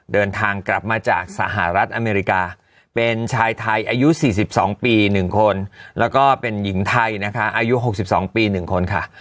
เดินทางกลับมาจากสหรัฐอเมริกาเป็นชายไทยอายุ๔๒ปี๑คนแล้วก็เป็นหญิงไทยนะคะอายุ๖๒ปี๑คนค่ะ